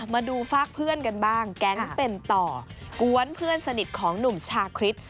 มาดูฝากเพื่อนกันบ้างแก๊งเป็นต่อกวนเพื่อนสนิทของหนุ่มชาคริส